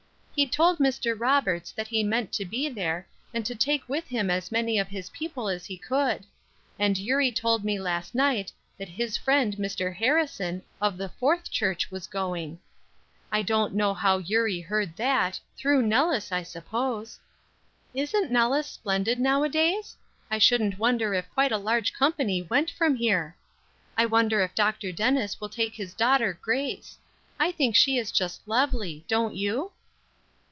"He told Mr. Roberts that he meant to be there, and to take with him as many of his people as he could. And Eurie told me last night that his friend, Mr. Harrison, of the Fourth church was going. I don't know how Eurie heard that, through Nellis, I suppose. "Isn't Nellis splendid nowadays? I shouldn't wonder if quite a large company went from here. I wonder if Dr. Dennis will take his daughter Grace. I think she is just lovely, don't you?"